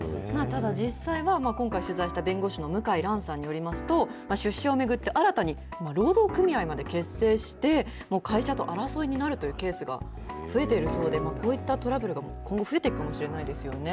ただ、実際は今回、取材した弁護士の向井蘭さんによりますと、出社を巡って、新たに労働組合まで結成して、会社と争いになるというケースが増えているそうで、こういったトラブルが今後、増えていくかもしれないですよね。